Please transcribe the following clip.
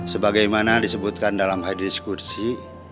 sebagaimana disebutkan dalam hadis kursi